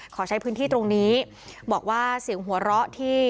ขอใช้พื้นที่ตรงนี้บอกว่าเสียงหัวเราะที่